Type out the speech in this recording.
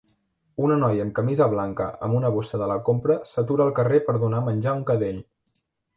Una noia amb camisa blanca amb una bossa de la compra s'atura al carrer per donar menjar a un cadell.